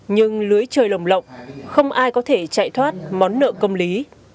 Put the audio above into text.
nhưng lưới trời lồng lộng không ai có thể chạy thoát món nợ công lý